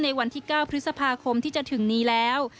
ในวันที่๙พฤษภาคมที่จะถึงนี้แล้ว